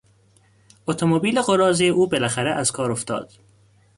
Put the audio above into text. اتومبیل قراضهی او بالاخره از کار افتاد.